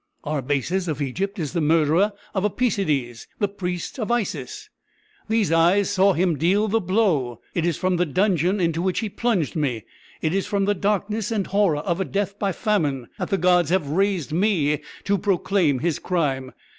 "Arbaces of Egypt is the murderer of Apæcides, the priest of Isis; these eyes saw him deal the blow. It is from the dungeon into which he plunged me it is from the darkness and horror of a death by famine that the gods have raised me to proclaim his crime!